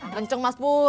kenceng mas pur